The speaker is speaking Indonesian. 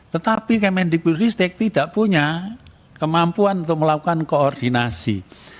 tetapi kemendikbud ristek tidak punya kemampuan untuk melakukan koordinasi